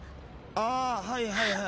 ああはいはいはい。